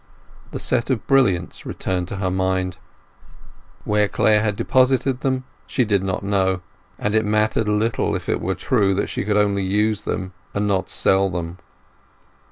The set of brilliants returned to her mind. Where Clare had deposited them she did not know, and it mattered little, if it were true that she could only use and not sell them.